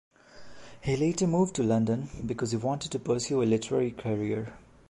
He later moved to London because he wanted to pursue a literary career.